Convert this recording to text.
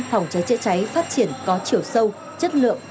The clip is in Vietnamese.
phòng cháy chữa cháy phát triển có chiều sâu chất lượng